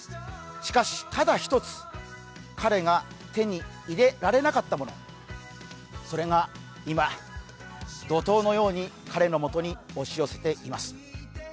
しかし、ただ一つ、彼が手に入れられなかったもの、それが今、怒とうのように彼のもとに押し寄せています。